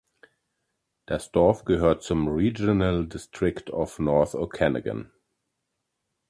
Das Dorf gehört zum Regional District of North Okanagan.